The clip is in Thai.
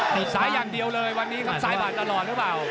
นี่ซ้ายอย่างเดียวเลยวันนี้คำสายบาดตลอดหรือเปล่า